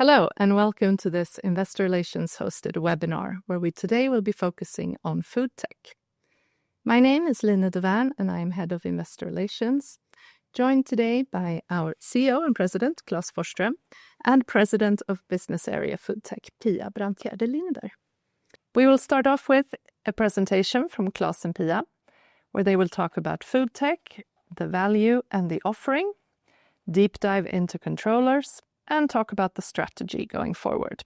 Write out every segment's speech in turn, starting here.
Hello and welcome to this investor relations hosted webinar where we today will be focusing on FoodTech. My name is Line Dovärn and I am Head of Investor Relations joined today by our CEO and President Klas Forsström and President of Business Area FoodTech Pia Brantgärde Linder. We will start off with a presentation from Klas and Pia where they will talk about FoodTech, the value and the offering, deep dive into controllers and talk about the strategy going forward.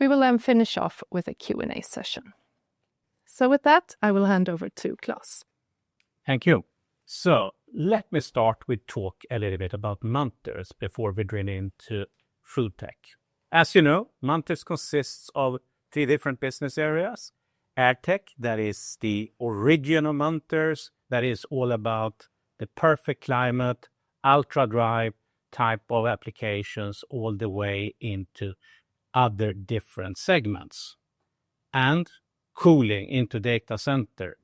We will then finish off with a Q&A session. With that I will hand over to Klas. Thank you. Let me start with talk a little bit about Munters before we drill into FoodTech. As you know, Munters consists of three different business areas: AirTech, that is the original Munters that is all about the perfect climate, ultra dry type of applications all the way into other different segments and cooling into data center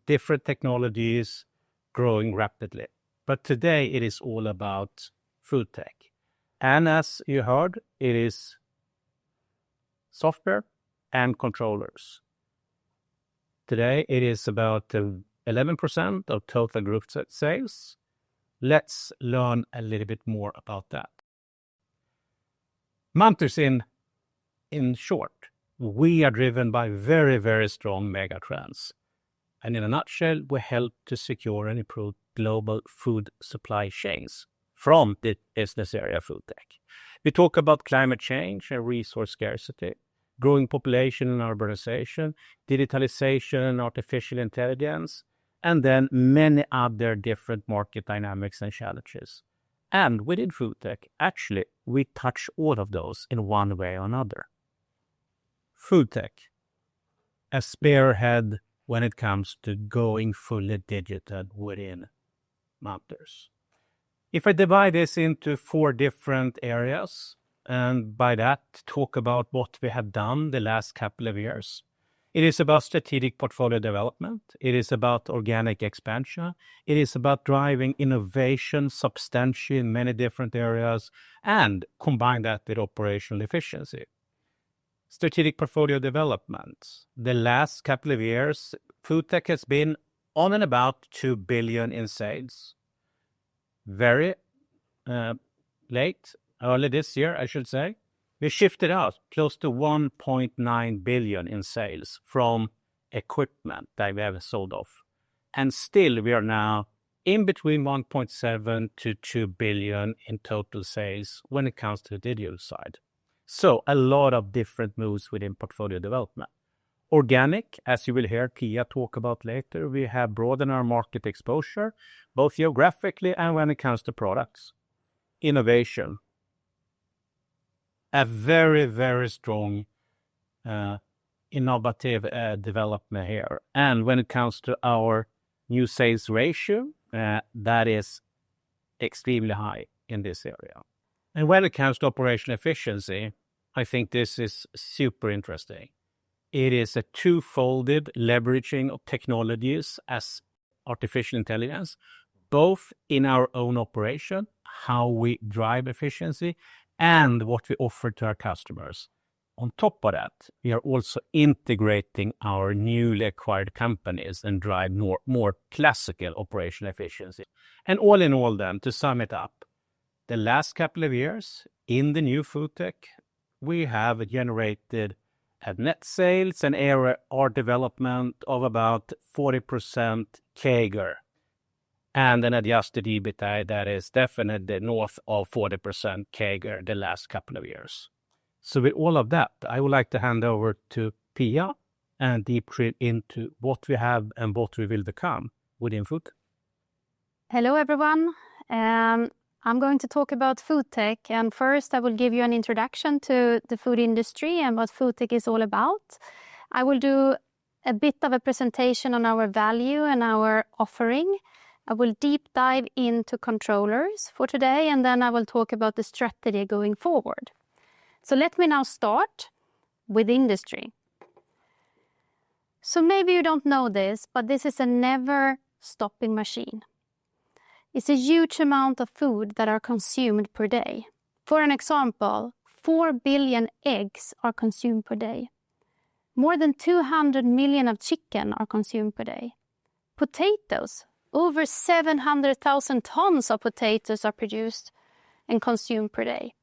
technologies growing rapidly. Today it is all about FoodTech and as you heard it is software and controllers. Today it is about 11% of total group sales. Let's learn a little bit more about that Munters in. In short, we are driven by very very strong megatrends and in a nutshell we help to secure and improve global food supply chains. From the business area FoodTech, we talk about climate change and resource scarcity, growing population and urbanization, digitalization, artificial intelligence and then many other different market dynamics and challenges. Within FoodTech actually we touch all of those in one way or another. FoodTech is a spearhead when it comes to going fully digital within Munters. If I divide this into four different areas and by that talk about what we have done the last couple of years, it is about strategic portfolio development, it is about organic expansion, it is about driving innovation substantially in many different areas and combine that with operational efficiency. Strategic portfolio development. The last couple of years FoodTech has been on and about 2 billion in sales very late. Early this year I should say we shifted out close to 1.9 billion in sales from equipment that we have not sold off and still we are now in between 1.7 billion-2 billion in total sales when it comes to the digital side. A lot of different moves within portfolio development. Organic, as you will hear Pia talk about later, we have broadened our market exposure both geographically and when it comes to products innovation. A very, very strong innovative development here. When it comes to our new sales ratio, that is extremely high in this area. When it comes to operational efficiency, I think this is super interesting. It is a two-folded leveraging of technologies as artificial intelligence, both in our own operation, how we drive efficiency, and what we offer to our customers. On top of that, we are also integrating our newly acquired companies and drive more classical operational efficiency. All in all then to sum it up, the last couple of years in the new FoodTech, we have generated at net sales an ARR development of about 40% CAGR and an adjusted EBITDA that is definitely north of 40% CAGR the last couple of years. With all of that I would like to hand over to Pia and deep into what we have and what we will to come within food. Hello everyone. I'm going to talk about FoodTech and first I will give you an introduction to the food industry and what FoodTech is all about. I will do a bit of a presentation on our value and our offering. I will deep dive into controllers for today and then I will talk about the strategy going forward. Let me now start with industry. Maybe you don't know this, but this is a never stopping machine. It's a huge amount of food that are consumed per day. For an example, 4 billion eggs are consumed per day. More than 200 million of chicken are consumed per day. Potatoes, over 700,000 tons of potatoes are produced and consumed per day.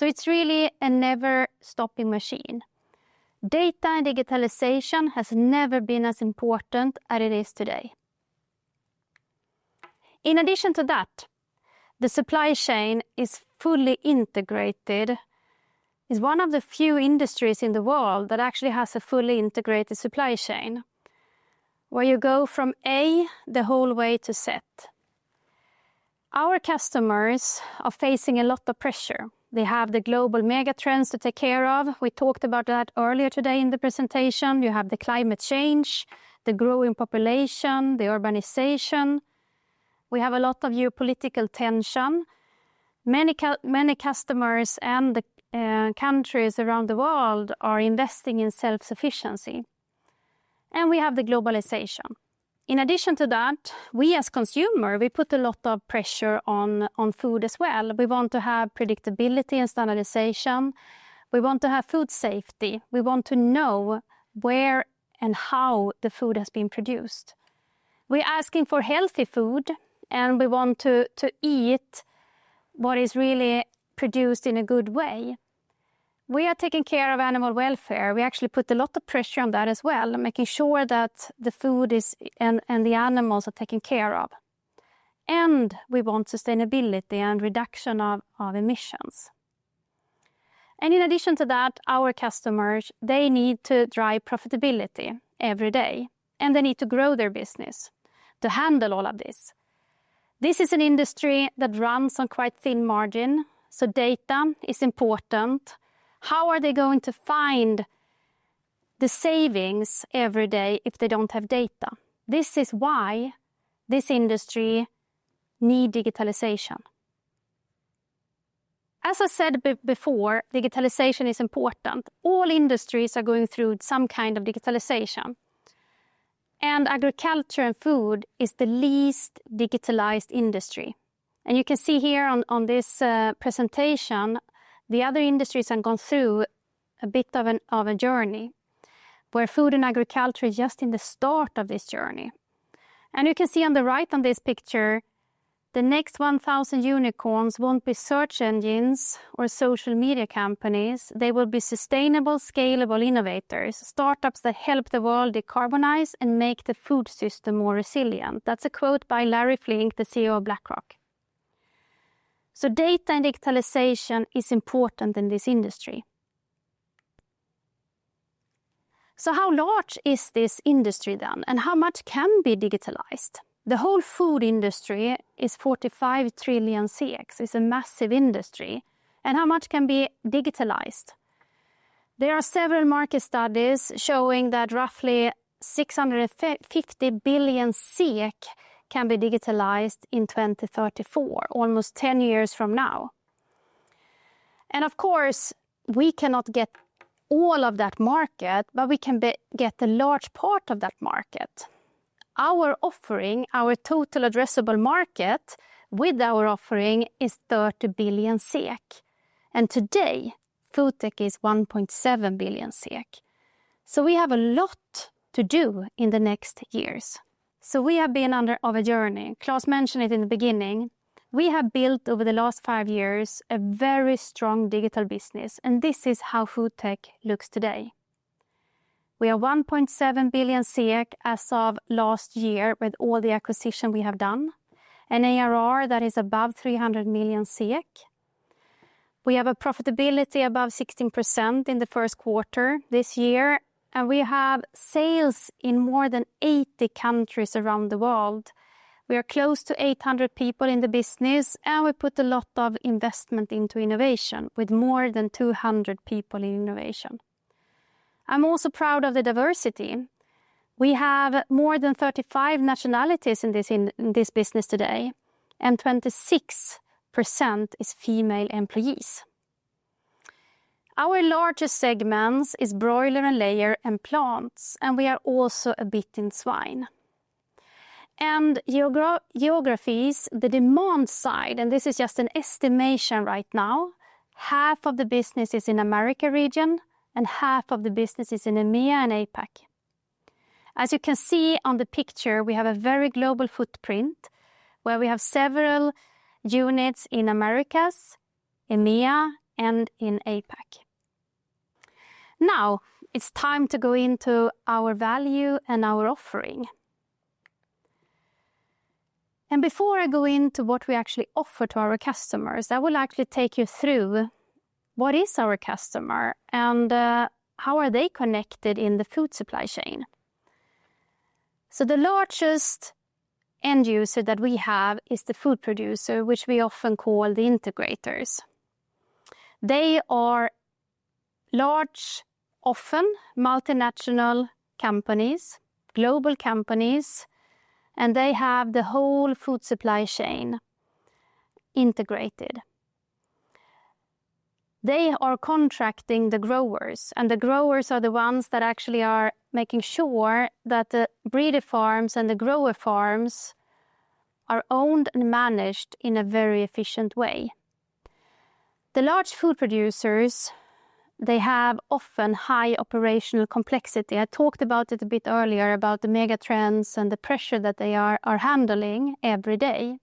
It's really a never stopping machine. Data and digitalization has never been as important as it is today. In addition to that, the supply chain is fully integrated. Is one of the few industries in the world that actually has a fully integrated supply chain where you go from A the whole way to Z. Our customers are facing a lot of pressure. They have the global megatrends to take care of. We talked about that earlier today in the presentation. You have the climate change, the growing population, the urbanization. We have a lot of geopolitical tension. Many customers and countries around the world are investing in self sufficiency and we have the globalization. In addition to that, we as consumer, we put a lot of pressure on food as well. We want to have predictability and standardization. We want to have food safety, we want to know where and how the food has been produced. We're asking for healthy food and we want to eat what is really produced in a good way. We are taking care of animal welfare. We actually put a lot of pressure on that as well. Making sure that the food and the animals are taken care of. We want sustainability and reduction of emissions. In addition to that, our customers, they need to drive profitability every day and they need to grow their business to handle all of this. This is an industry that runs on quite thin margin. Data is important. How are they going to find the savings every day if they do not have data? This is why this industry needs digitalization. As I said before, digitalization is important. All industries are going through some kind of digitalization and agriculture and food is the least digitalized industry. You can see here on this presentation, the other industries have gone through a bit of a journey where food and agriculture is just in the start of this journey. You can see on the right on this picture, the next 1,000 unicorns will not be search engines or social media companies. They will be sustainable, scalable innovators, startups that help the world decarbonize and make the food system more resilient. That is a quote by Larry Fink, the CEO of BlackRock. Data and digitalization is important in this industry. How large is this industry then and how much can be digitalized? The whole food industry is 45,000 trillion, it is a massive industry. How much can be digitalized? There are several market studies showing that roughly 650 billion SEK can be digitalized in 2034, almost 10 years from now. Of course we cannot get all of that market, but we can get a large part of that market. Our offering, our total addressable market with our offering is 30 billion SEK. Today FoodTech is 1.7 billion SEK. We have a lot to do in the next years. We have been under a journey. Klas mentioned it in the beginning. We have built over the last five years a very strong digital business. This is how FoodTech looks today. We are 1.7 billion as of last year. With all the acquisitions we have done, an ARR that is above 300 million. We have a profitability above 16% in the first quarter this year and we have sales in more than 80 countries around the world. We are close to 800 people in the business and we put a lot of investment into innovation. With more than 200 people in innovation, I'm also proud of the diversity. We have more than 35 nationalities in this business today and 26% is female employees. Our largest segments is broiler and layer and plants. And we are also a bit in swine and geographies. The demand side, and this is just an estimation right now half of the business is in Americas region and half of the business is in EMEA and APAC. As you can see on the picture, we have a very global footprint where we have several units in Americas, EMEA and in APAC. Now it's time to go into our value and our offering. Before I go into what we actually offer to our customers, I will actually take you through what is our customer and how are they connected in the food supply chain. The largest end user that we have is the food producer, which we often call the integrators. They are large, often multinational companies, global companies, and they have the whole food supply chain integrated. They are contracting the growers and the growers are the ones that actually are making sure that the breeder farms and the grower farms are owned and managed in a very efficient way. The large food producers, they have often high operational complexity. I talked about it a bit earlier about the megatrends and the pressure that they are handling every day.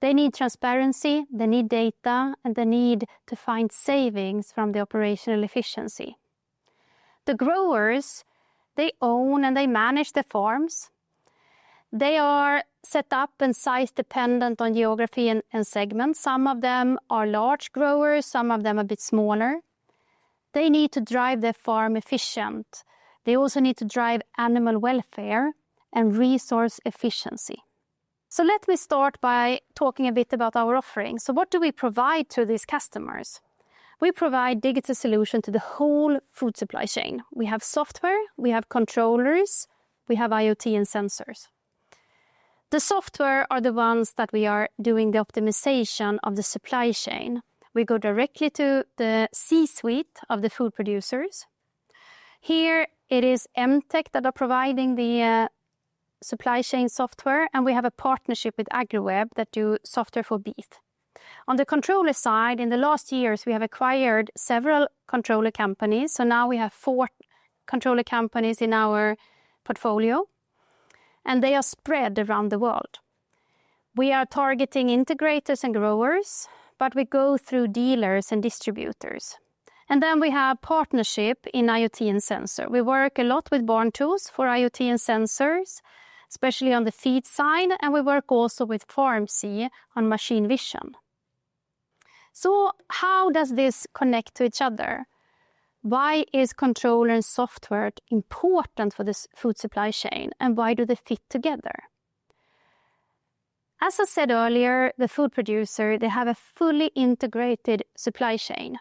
They need transparency, they need data and they need to find savings from the operational efficiency. The growers, they own and they manage the farms, they are set up and size dependent on geography and segments. Some of them are large growers, some of them a bit smaller. They need to drive their farm efficient. They also need to drive animal welfare and resource efficiency. Let me start by talking a bit about our offerings. What do we provide to these customers? We provide digital solutions to the whole food supply chain. We have software, we have controllers, we have IoT and sensors. The software are the ones that we are doing the optimization of the supply chain. We go directly to the C-suite of the food producers. Here it is MTech that are providing the supply chain software. We have a partnership with AgriWebb that do software for breeding. On the controller side, in the last years we have acquired several controller companies. Now we have four controller companies in our portfolio and they are spread around the world. We are targeting integrators and growers, but we go through dealers and distributors and then we have partnership in IoT and sensor. We work a lot with born tools for IoT and sensors, especially on the feed side. We work also with FarmSee on machine vision. How does this connect to each other? Why is controller and software important for this food supply chain and why do they fit together? As I said earlier, the food producer, they have a fully integrated supply chain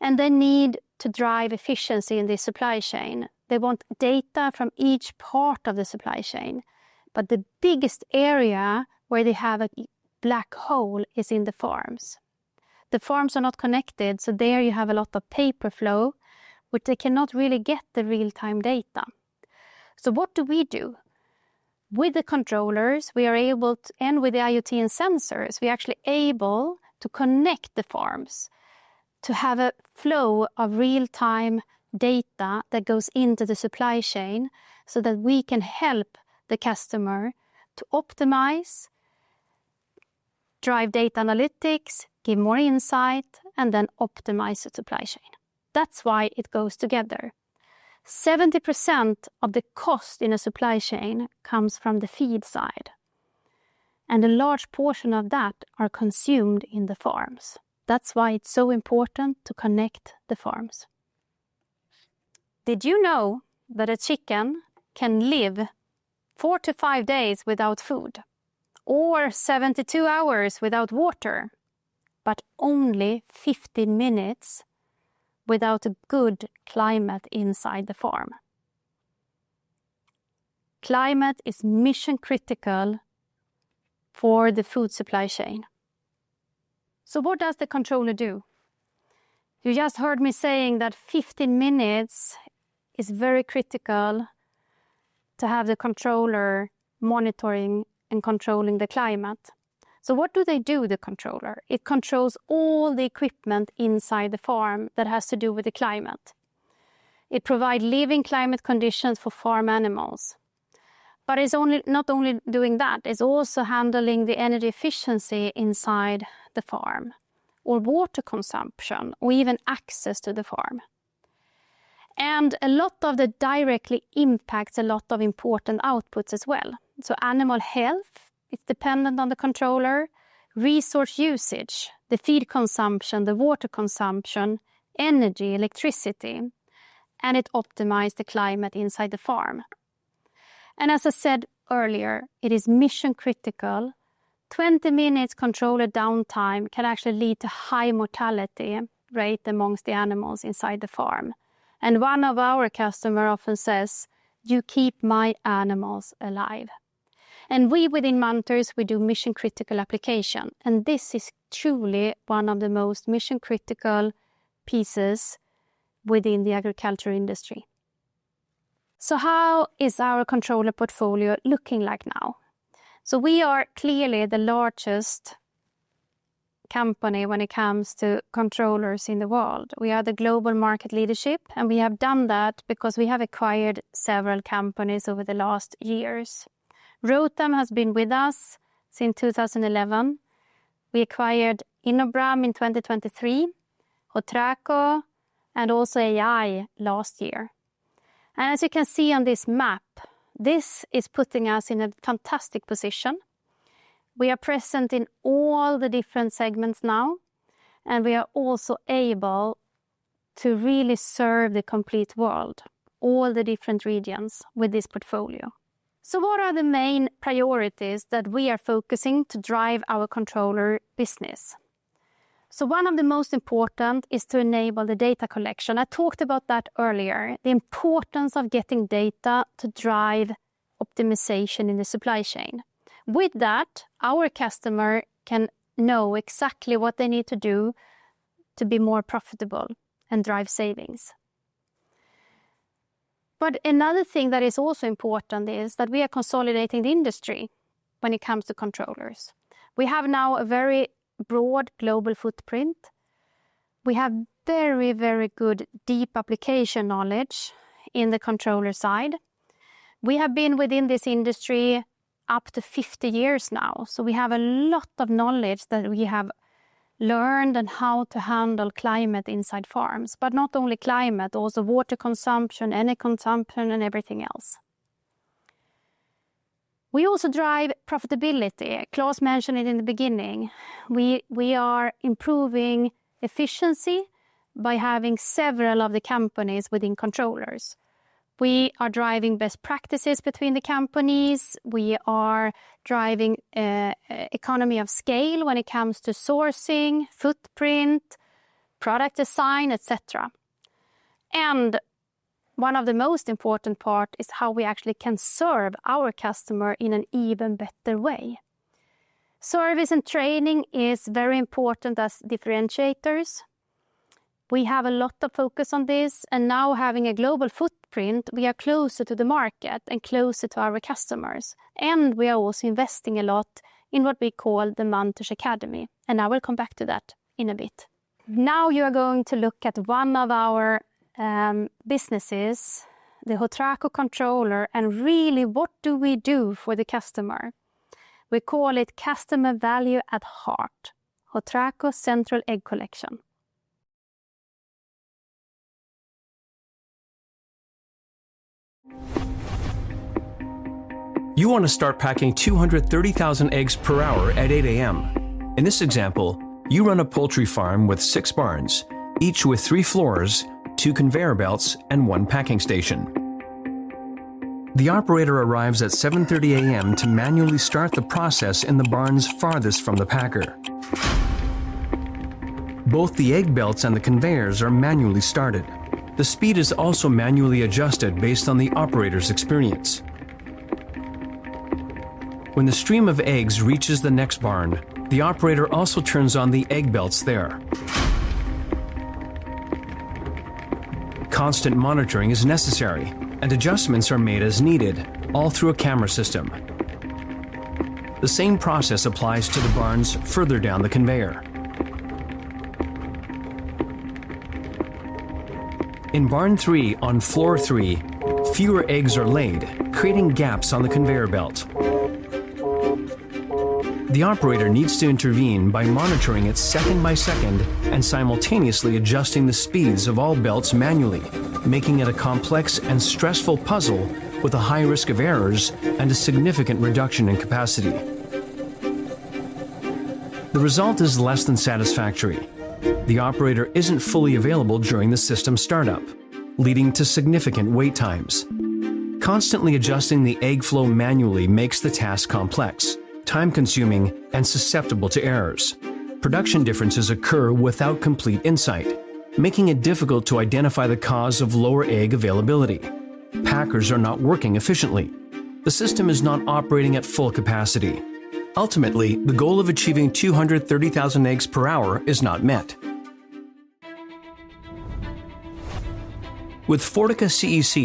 and they need to drive efficiency in the supply chain. They want data from each part of the supply chain, but the biggest area where they have a black hole is in the farms. The farms are not connected. There you have a lot of paper flow which they cannot really get the real time data. What we do with the controllers, we are able, and with the IoT and sensors, we are actually able to connect the farms to have a flow of real time data that goes into the supply chain so that we can help the customer to optimize, drive data analytics, give more insight, and then optimize the supply chain. That is why it goes together. 70% of the cost in a supply chain comes from the feed side and a large portion of that is consumed in the farms. That is why it is so important to connect the farms. Did you know that a chicken can live four to five days without food or 72 hours without water, but only 15 minutes without a good climate inside the farm. Climate is mission critical for the food supply chain. What does the controller do? You just heard me saying that 15 minutes is very critical to have the controller monitoring and controlling the climate. What do they do? The controller, it controls all the equipment inside the farm that has to do with the climate. It provides living climate conditions for farm animals. It's not only doing that, it's also handling the energy efficiency inside the farm or water consumption or even access to the farm. A lot of that directly impacts a lot of important outputs as well. Animal health is dependent on the controller resource usage, the feed consumption, the water consumption, energy, electricity, and it optimizes the climate inside the farm. As I said earlier, it is mission critical. 20 minutes controller downtime can actually lead to high mortality rate amongst the animals inside the farm. One of our customers often says, you keep my animals alive. We within Munters, we do mission critical application and this is truly one of the most mission critical pieces within the agriculture industry. How is our controller portfolio looking like now? We are clearly the largest company when it comes to controllers in the world. We are the global market leadership and we have done that because we have acquired several companies over the last years. Rotem has been with us since 2011. We acquired InoBram in 2023, Hotraco and also AI last year. As you can see on this map, this is putting us in a fantastic position. We are present in all the different segments now and we are also able to really serve the complete world, all the different regions with this portfolio. What are the main priorities that we are focusing to drive our controller business? One of the most important is to enable the data collection. I talked about that earlier, the importance of getting data to drive optimization in the supply chain. With that our customer can know exactly what they need to do to be more profitable and drive savings. Another thing that is also important is that we are consolidating the industry when it comes to controllers. We have now a very broad global footprint. We have very, very good deep application knowledge in the controller side. We have been within this industry up to 50 years now. We have a lot of knowledge that we have learned on how to handle climate inside farms, but not only climate, also water consumption, energy consumption and everything else. We also drive profitability. Klas mentioned it in the beginning. We are improving efficiency by having several of the companies within controllers. We are driving best practices between the companies. We are driving economy of scale when it comes to sourcing footprint, product design, etc. One of the most important parts is how we actually can serve our customer in an even better way. Service and training is very important. As differentiators. We have a lot of focus on this and now having a global footprint, we are closer to the market and closer to our customers. We are also investing a lot in what we call the Munters Academy. I will come back to that in a bit. Now you are going to look at one of our businesses, the Hotraco controller, and really what do we do for the customer? We call it customer value at heart. Hotraco Central Egg Collection. You want to start packing 230,000 eggs per hour at 8:00 A.M. In this example, you run a poultry farm with six barns, each with three floors, two conveyor belts, and one packing station. The operator arrives at 7:30 A.M. to manually start the process in the barns farthest from the packer. Both the egg belts and the conveyors are manually started. The speed is also manually adjusted based on the operator's experience. When the stream of eggs reaches the next barn, the operator also turns on the egg belts there. Constant monitoring is necessary and adjustments are made as needed, all through a camera system. The same process applies to the barns further down the conveyor. In Barn 3, on Floor 3, fewer eggs are laid, creating gaps on the conveyor belt. The operator needs to intervene by monitoring its size second by second and simultaneously adjusting the speeds of all belts manually, making it a complex and stressful puzzle. With a high risk of errors and a significant reduction in capacity. The result is less than satisfactory. The operator isn't fully available during the system startup, leading to significant wait times. Constantly adjusting the egg flow manually makes the task complex, time consuming and susceptible to errors. Production differences occur without complete insight, making it difficult to identify the cause of lower egg availability. Packers are not working efficiently. The system is not operating at full capacity. Ultimately the goal of achieving 230,000 eggs per hour is not met with Fortica-CEC.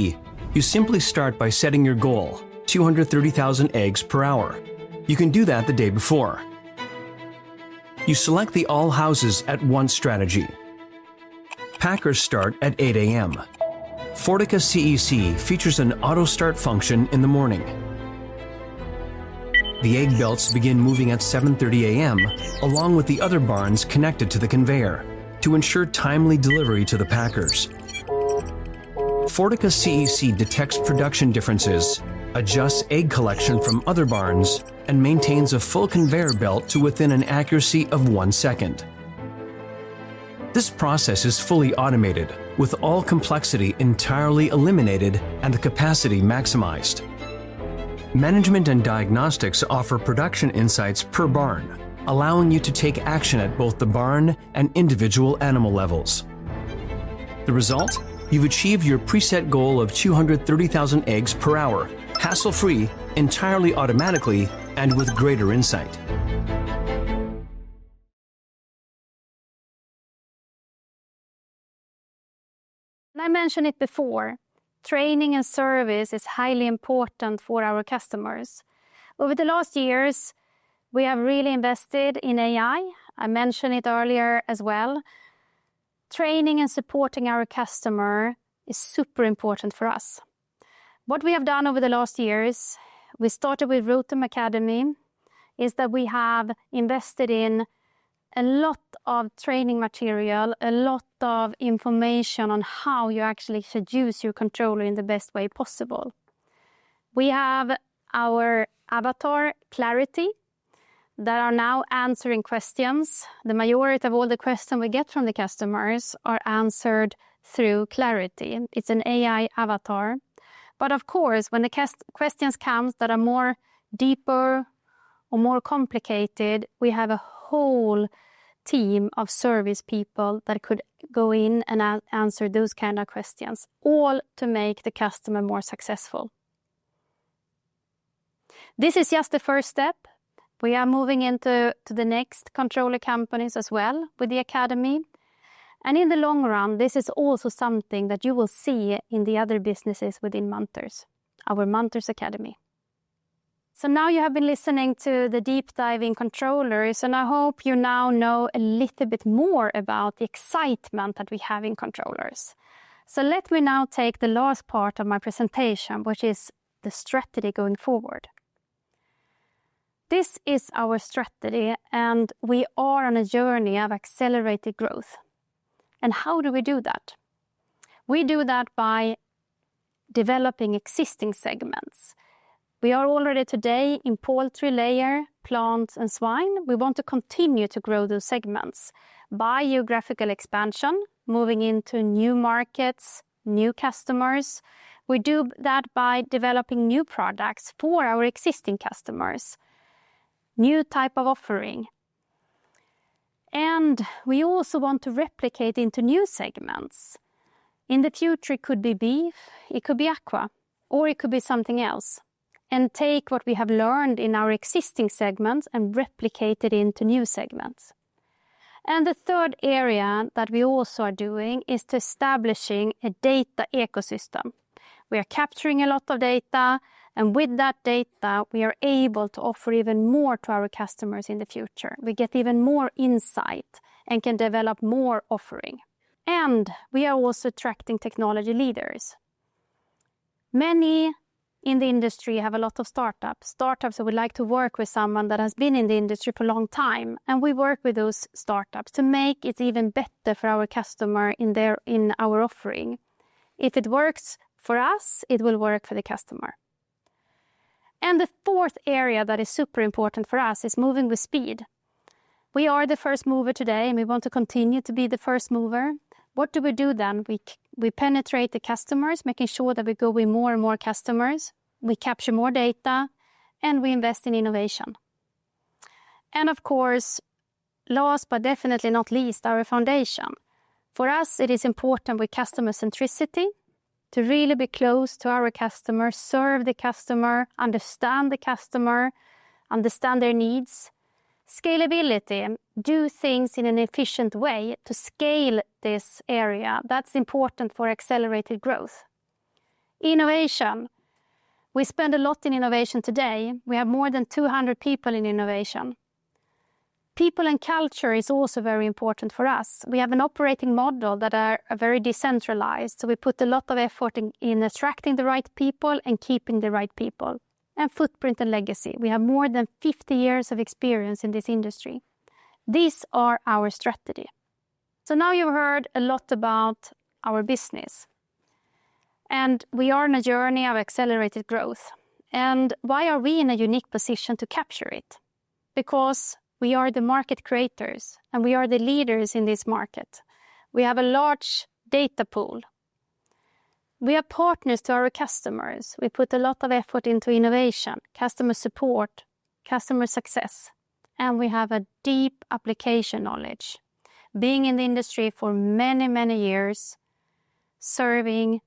You simply start by setting your goal 230,000 eggs per hour. You can do that the day before you select the all houses at once strategy. Packers start at 8:00 A.M. Fortica-CEC features an auto start function in the morning. The egg belts begin moving at 7:30 A.M. along with the other barns connected to the conveyor to ensure timely delivery to the packers. Fortica-CEC detects production differences, adjusts egg collection from other barns, and maintains a full conveyor belt to within an accuracy of 1 second. This process is fully automated with all complexity entirely eliminated and the capacity maximized. Management and diagnostics offer production insights per barn, allowing you to take action at both the barn and individual animal levels. The result, you've achieved your preset goal of 230,000 eggs per hour, hassle free, entirely automatically, and with greater insight. I mentioned it before, training and service is highly important for our customers. Over the last years we have really invested in AI. I mentioned it earlier as well. Training and supporting our customer is super important for us. What we have done over the last years, we started with Rotem Academy, is that we have invested in a lot of training material, a lot of information on how you actually seduce your controller in the best way possible. We have our avatar Clarity that are now answering questions. The majority of all the questions we get from the customers are answered through Clarity. It's an AI avatar. Of course, when the questions come that are more deeper or more complicated, we have a whole team of service people that could go in and answer those kind of questions, all to make the customer more successful. This is just the first step. We are moving into the next controller companies as well with the Academy. In the long run this is also something that you will see in the other businesses within our Munters Academy. Now you have been listening to the deep dive in controllers and I hope you now know a little bit more about the excitement that we have in controllers. Let me now take the last part of my presentation which is the strategy going forward. This is our strategy and we are on a journey of accelerated growth. How do we do that? We do that by developing existing segments. We are already today in poultry, layer, plant, and swine. We want to continue to grow those segments, biographical expansion, moving into new markets, new customers. We do that by developing new products for our existing customers, new type of offering, and we also want to replicate into new segments in the future. It could be beef, it could be aqua, or it could be something else and take what we have learned in our existing segments and replicate it into new segments. The third area that we also are doing is establishing a data ecosystem. We are capturing a lot of data, and with that data we are able to offer even more to our customers in the future. We get even more insight and can develop more offering. We are also attracting technology leaders. Many in the industry have a lot of startups, startups that would like to work with someone that has been in the industry for a long time. We work with those startups to make it even better for our customer. In our offering, if it works for us, it will work for the customer. The fourth area that is super important for us is moving with speed. We are the first mover today and we want to continue to be the first mover. What do we do then? We penetrate the customers, making sure that we go with more and more customers, we capture more data and we invest in innovation. Of course, last but definitely not least, our foundation for us, it is important with customer centricity to really be close to our customers, serve the customer, understand the customer, understand their needs, scalability, do things in an efficient way to scale this area. That is important for accelerated growth. Innovation. We spend a lot in innovation. Today we have more than 200 people in innovation. People and culture is also very important for us. We have an operating model that is very decentralized. We put a lot of effort in attracting the right people and keeping the right people and footprint and legacy. We have more than 50 years of experience in this industry. These are our strategy. Now you've heard a lot about our business and we are on a journey of accelerated growth. Why are we in a unique position to capture it? Because we are the market creators and we are the leaders in this market. We have a large data pool, we are partners to our customers. We put a lot of effort into innovation, customer support, customer success and we have a deep application knowledge. Being in the industry for many, many years, serving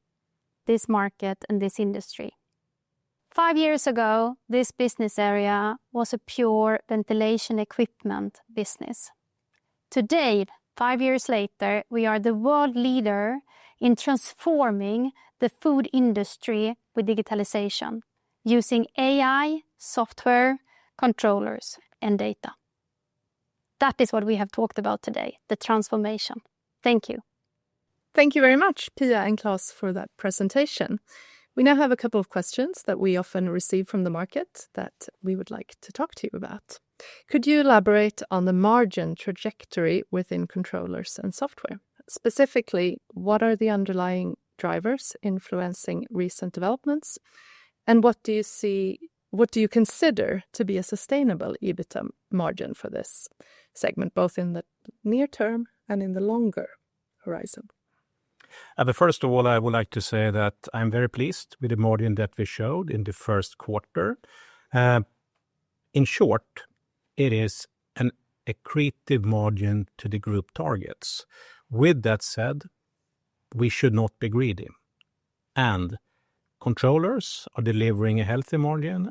this market and this industry. Five years ago, this business area was a pure ventilation equipment business. Today, five years later, we are the world leader in transforming the food industry with digitalization using AI software, controllers and data. That is what we have talked about today, the transformation. Thank you, thank you very much Pia and Klas for that presentation. We now have a couple of questions that we often receive from the market that we would like to talk to you about. Could you elaborate on the margin trajectory within controllers and software? Specifically, what are the underlying drivers influencing recent developments and what do you see? What do you consider to be a sustainable EBITDA margin for this segment, both in the near term and in the longer horizon? First of all, I would like to say that I'm very pleased with the margin that we showed in the first quarter. In short, it is an accretive margin to the group targets. With that said, we should not be greedy and controllers are delivering a healthy margin.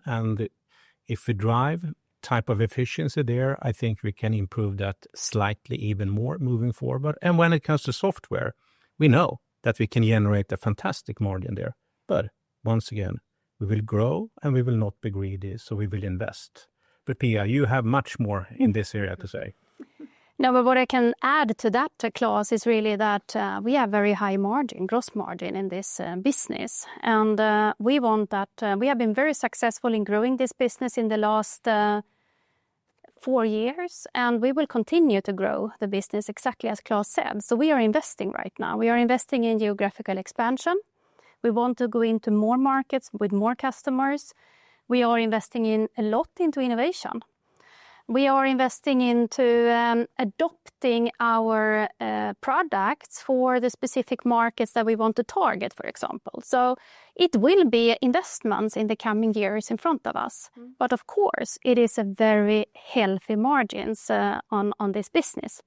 If we drive type of efficiency there, I think we can improve that slightly, even more moving forward. When it comes to software, we know that we can generate a fantastic margin there. Once again we will grow and we will not be greedy. We will invest. Pia, you have much more in. This area to say No, but what I can add to that, Klas, is really that we have very high margin, gross margin in this business and we want that we have been very successful in growing this business in the last four years and we will continue to grow the business exactly as Klas said. We are investing right now. We are investing in geographical expansion. We want to go into more markets with more customers. We are investing a lot into innovation. We are investing into adopting our products for the specific markets that we want to target, for example, it will be investments in the coming years in front of us. Of course it is a very healthy margins on this business.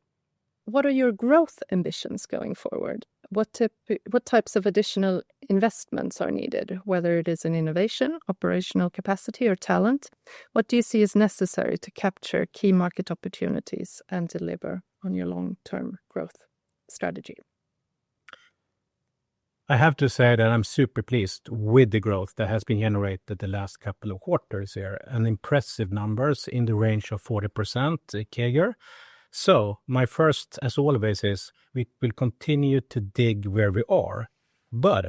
What are your growth ambitions going forward? What types of additional investments are needed, whether it is in innovation, operational capacity or talent? What do you see as necessary to capture key market opportunities and deliver on your long term growth strategy? I have to say that I'm super pleased with the growth that has been generated the last couple of quarters here. An impressive number in the range of 40% CAGR. My first, as always, is we will continue to dig where we are, but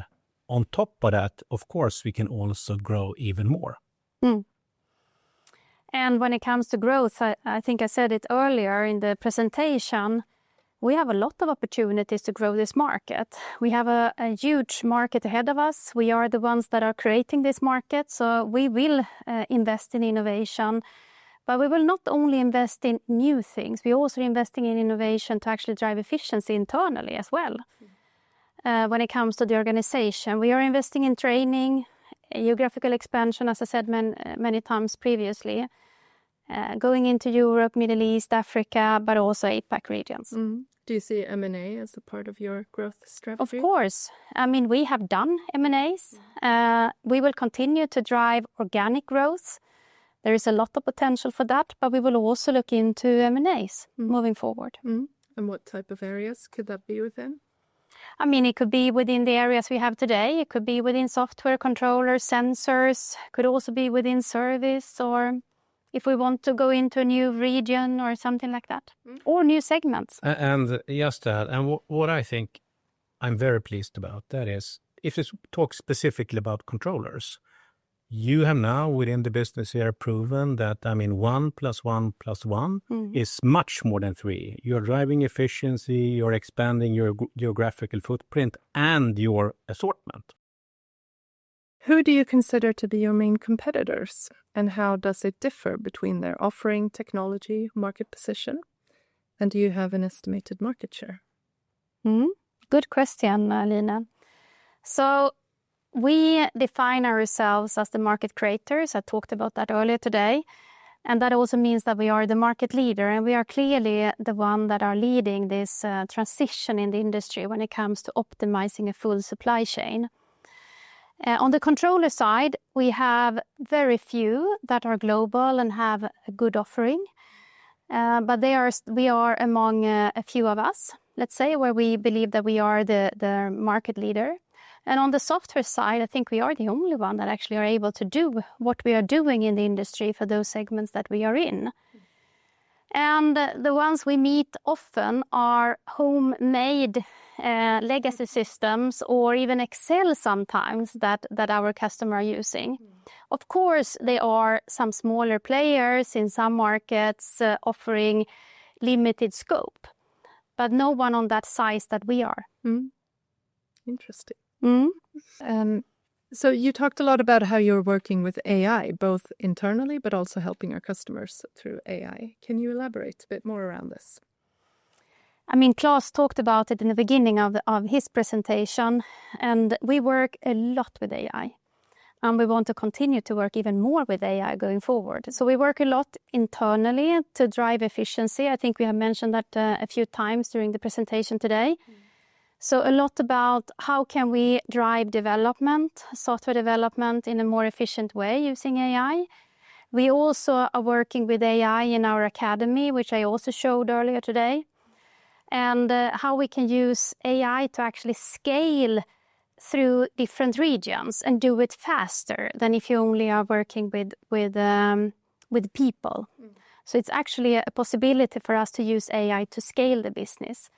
on top of that, of course we can also grow even more. Hmm. When it comes to growth, I think I said it earlier in the presentation. We have a lot of opportunities to grow this market. We have a huge market ahead of us. We are the ones that are creating this market. We will invest in innovation, but we will not only invest in new things, we are also investing in innovation to actually drive efficiency internally as well. When it comes to the organization, we are investing in training, geographical expansion, as I said many times previously, going into Europe, Middle East, Africa, but also APAC regions. Do you see M&A as a part of your growth strategy? Of course. I mean, we have done M&As and as we will continue to drive organic growth there is a lot of potential for that. We will also look into M&A moving forward. What type of areas could that be within? I mean, it could be within the areas we have today. It could be within software, controllers, sensors, could also be within service or if we want to go into a new region or something like that, or new. Segments And yes that. What I think I'm very pleased about is if you talk specifically about controllers, you have now within the business here proven that. I mean, one plus one plus one is much more than three. You're driving efficiency, you're expanding your geographical footprint and your assortment. Who do you consider to be your main competitors and how does it differ between their offering, technology, market position and do you have an estimated market share? Good question, Lina. We define ourselves as the market creators. I talked about that earlier today. That also means that we are the market leader and we are clearly the one that are leading this transition in the industry when it comes to optimizing a full supply chain. On the controller side, we have very few that are global and have a good offering. We are among a few of us, let's say, where we believe that we are the market leader. On the software side, I think we are the only one that actually are able to do what we are doing in the industry for those segments that we are in. The ones we meet often are homemade legacy systems or even Excel sometimes that our customers are using. Of course, there are some smaller players in some markets offering limited scope, but no one on that size that we are interesting. You talked a lot about how you're working with AI, both internally, but also helping our customers through AI. Can you elaborate a bit more around this? I mean, Klas talked about it in the beginning of his presentation and we work a lot with AI and we want to continue to work even more with AI going forward. We work a lot internally to drive efficiency. I think we have mentioned that a few times during the presentation today. A lot about how can we drive development, software development in a more efficient way using AI? We also are working with AI in our academy, which I also showed earlier today, and how we can use AI to actually scale through different regions and do it faster than if you only are working with people. It is actually a possibility for us to use AI to scale the business.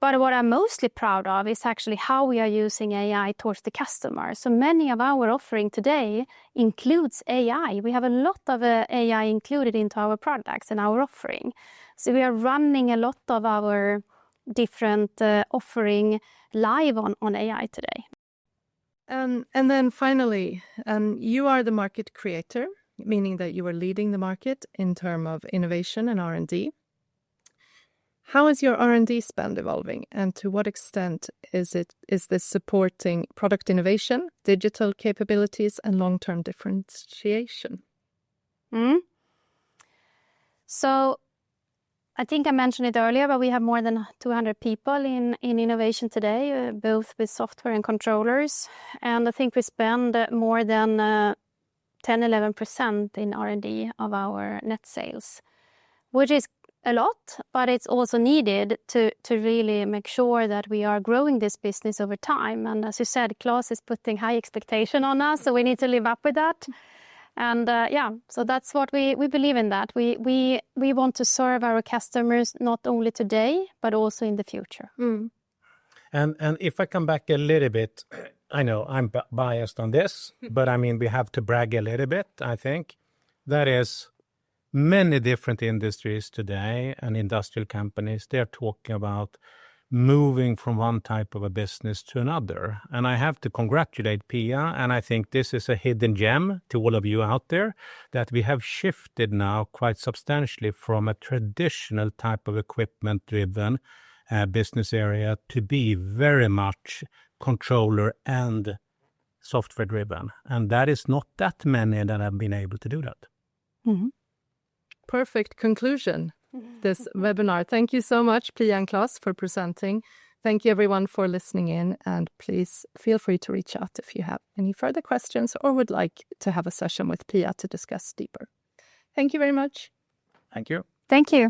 What I'm mostly proud of is actually how we are using AI towards the customer. Many of our offering today includes AI. We have a lot of AI included into our products and our offering. We are running a lot of our different offering live on AI today. Finally, you are the market creator, meaning that you are leading the market in terms of innovation and R&D. How is your R&D spend evolving and to what extent is this supporting product innovation, digital capabilities, and long-term differentiation? I think I mentioned it earlier, but we have more than 200 people in innovation today, both with software and controllers. I think we spend more than 10%-11% in R&D of our net sales, which is a lot. It is also needed to really make sure that we are growing this business over time. As you said, Klas is putting high expectation on us, so we need to live up with that. Yeah, that is what we believe in, that we want to serve our customers not only today, but also in the future. If I come back a little bit, I know I'm biased on this, but I mean we have to brag a little bit. I think that is many different industries today and industrial companies, they're talking about moving from one type of a business to another. I have to congratulate Pia and I think this is a hidden gem to all of you out there that we have shifted now quite substantially, substantially from a traditional type of equipment driven business area to be very much controller and software driven. That is not that many that have been able to do that. Perfect conclusion to this webinar. Thank you so much Pia and Klas for presenting. Thank you everyone for listening in and please feel free to reach out if you have any further questions or would like to have a session with Pia to discuss deeper. Thank you very much. Thank you. Thank you.